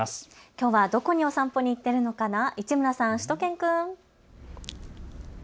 きょうはどこにお散歩に行っているのかな市村さん、しゅと犬くん。